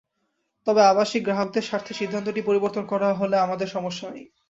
তবে আবাসিক গ্রাহকদের স্বার্থে সিদ্ধান্তটি পরিবর্তন করা হলে আমাদের সমস্যা নেই।